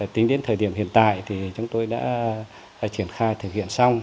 tính đến thời điểm hiện tại thì chúng tôi đã triển khai thực hiện xong